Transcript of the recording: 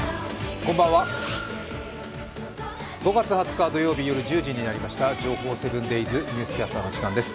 こんばんは、５月２０日土曜日、夜１０時になりました「情報７ｄａｙｓニュースキャスター」の時間です。